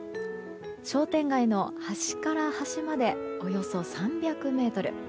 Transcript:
商店街の端から端までおよそ３００ｍ。